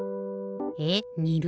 えっ「にる」？